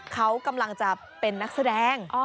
เขากำลังจะเป็นนักแสดง